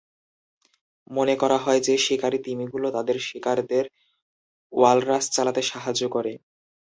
মনে করা হয় যে, শিকারি তিমিগুলো তাদের শিকারিদের ওয়ালরাস চালাতে সাহায্য করে।